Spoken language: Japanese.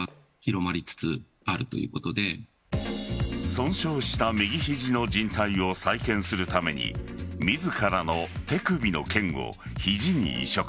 損傷した右肘の靭帯を再建するために自らの手首の腱を肘に移植。